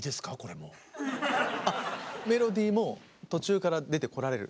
あっ「メロディー」も途中から出てこられる？